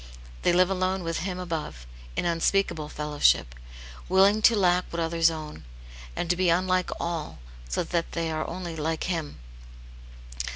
They live alone with Him above, in unspeakable fellowship ; willing to lack what others own, and to be unlike all, so that they are only like Him.